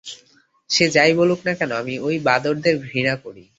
যে যাই বলুক না কেন, আমি ওই বাঁদরদের ঘৃণা করি।